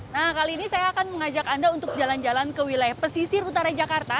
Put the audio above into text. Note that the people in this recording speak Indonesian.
nah kali ini saya akan mengajak anda untuk jalan jalan ke wilayah pesisir utara jakarta